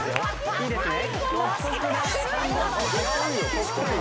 いいですね。